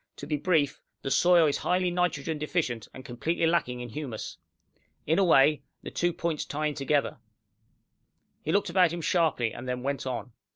To be brief, the soil is highly nitrogen deficient, and completely lacking in humus. In a way, the two points tie in together." He looked about him sharply, and then went on.